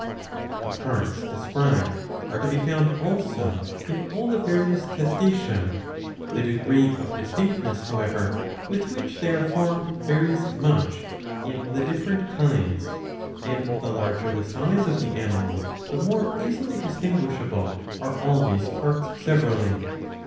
^* The parts described are to be found also in all the various Testacea.25 The degree of distinctness, however, with which they are formed varies much in the different kinds, and the larger the size of the animal the more easily distinguishable are all these parts 679 b. 100 IV. 5. severally.